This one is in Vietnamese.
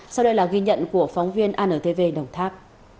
sau đây là ghi nhận của phóng viên antv đồng tháp